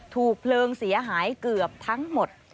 ถูกเพลิงเสียหายเกือบทั้งหมด